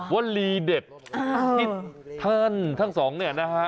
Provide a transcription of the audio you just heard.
วลีเด็ดที่ท่านทั้งสองเนี่ยนะฮะ